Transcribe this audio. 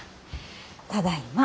ただいま。